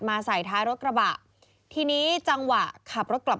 ใส่ท้ายรถกระบะทีนี้จังหวะขับรถกลับ